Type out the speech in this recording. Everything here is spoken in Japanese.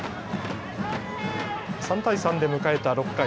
３対３で迎えた６回。